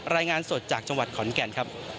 รายงานสดจากชขอนแกน